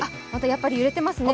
やっぱり揺れてますね。